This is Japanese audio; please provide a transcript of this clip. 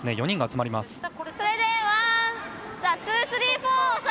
４人が集まります。